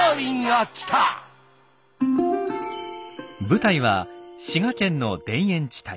舞台は滋賀県の田園地帯。